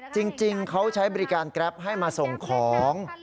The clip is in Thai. จริงเขาใช้บริการแกรปให้มาส่งของ